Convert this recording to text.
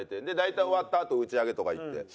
で大体終わったあと打ち上げとか行って。